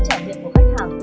trải nghiệm của khách hàng